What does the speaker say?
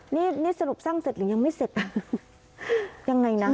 นี่นี่สรุปสร้างเสร็จหรือยังไม่เสร็จยังไงนะ